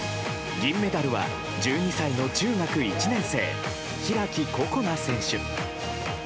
銀メダルは１２歳の中学１年生開心那選手。